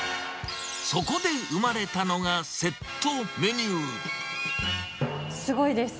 そこで生まれたのが、セットすごいです。